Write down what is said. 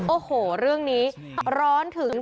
โอ้โหเรื่องนี้ร้อนถึง